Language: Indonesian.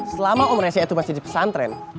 selama om resia itu masih di pesantren